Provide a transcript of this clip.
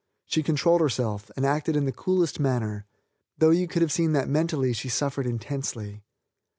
She controlled herself and acted in the coolest manner, though you could have seen that mentally she suffered intensely.